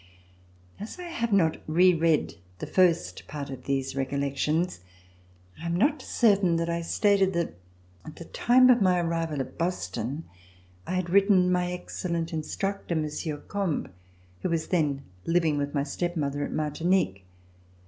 175? 1838 EXILE IN ENGLAND As I have not re read the hrst part of these Recollec tions, I am not certain that 1 stated that at the time of my arrival at Boston I had written my excellent instructor, Monsieur Combes, who was then living with my step mother at Martinique.